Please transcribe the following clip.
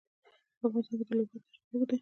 په افغانستان کې د لوگر تاریخ اوږد دی.